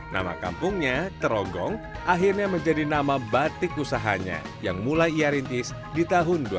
nama kampungnya trogong akhirnya menjadi nama batik usahanya yang mulai ia rintis di tahun dua ribu